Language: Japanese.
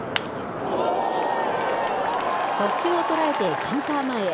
速球を捉えてセンター前へ。